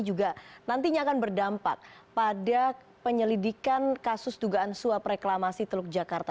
juga nantinya akan berdampak pada penyelidikan kasus dugaan suap reklamasi teluk jakarta